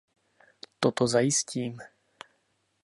Toto zajistím.